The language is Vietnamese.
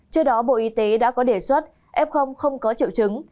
trước đó bộ y tế đã có đề xuất f không có triệu chứng